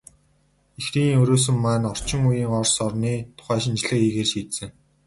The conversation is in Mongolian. Ихрийн өрөөсөн маань орчин үеийн Орос орны тухай шинжилгээ хийхээр шийдсэн.